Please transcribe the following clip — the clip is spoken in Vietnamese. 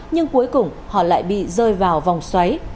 nhưng cuối cùng họ lại bị rơi vào vòng xoáy